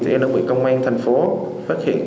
em đã bị công an thành phố phát hiện